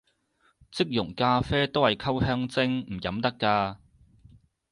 即溶咖啡都係溝香精，唔飲得咖